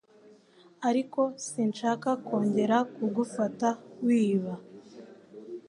ariko sinshaka kongera kugufata wiba